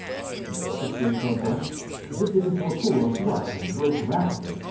He broke a twig from a bush, dipped it into a pool of blood and wrote rapidly.